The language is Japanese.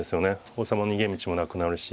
王様の逃げ道もなくなるし。